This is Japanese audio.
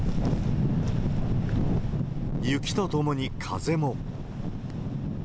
雪とともに風も。